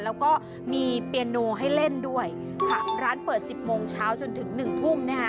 แล้วก็มีเปียโนให้เล่นด้วยร้านเปิด๑๐โมงเช้าจนถึง๑ทุ่ม